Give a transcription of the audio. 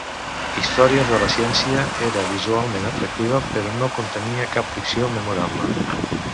"Històries de la Ciència" era visualment atractiva, però no contenia cap ficció memorable.